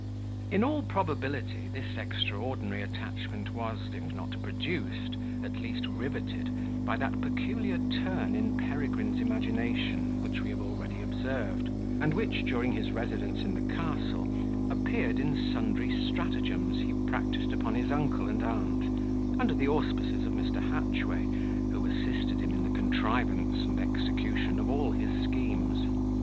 In all probability, this extraordinary attachment was, if not produced, at least riveted by that peculiar turn in Peregrine's imagination, which we have already observed; and which, during his residence in the castle, appeared in sundry stratagems he practised upon his uncle and aunt, under the auspices of Mr. Hatchway who assisted him in the contrivance and execution of all his schemes.